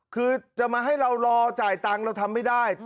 คือจะมาให้เรารอจ่ายตังค์เราทำไม่ได้